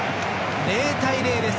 ０対０です。